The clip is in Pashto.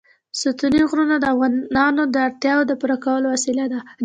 ستوني غرونه د افغانانو د اړتیاوو د پوره کولو وسیله ده.